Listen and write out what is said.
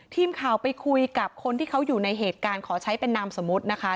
ทีมข่าวไปคุยกับคนที่เขาอยู่ในเหตุการณ์ขอใช้เป็นนามสมมุตินะคะ